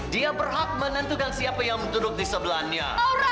dia berhak menentukan siapa yang duduk di sebelahnya